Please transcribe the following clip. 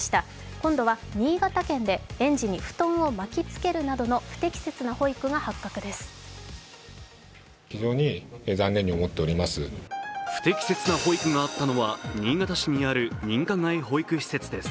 今度は新潟県で園児に布団を巻きつけるなどの不適切な保育が発覚です。